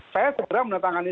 saya segera menetangani